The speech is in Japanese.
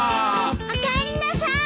おかえりなさい。